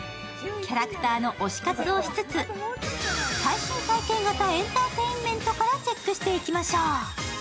キャラクターの推し活をしつつ、最新体験型エンターテインメントからチェックしていきましょう。